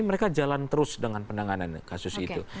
mereka jalan terus dengan penanganan kasus itu